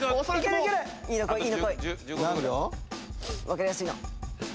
わかりやすいの。